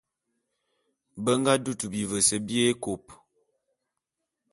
Be nga dutu bivese bié ékôp.